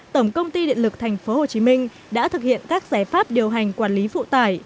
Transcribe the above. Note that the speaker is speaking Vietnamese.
tổng công ty điện lực tp hcm đã thực hiện các giải pháp điều hành quản lý phụ tải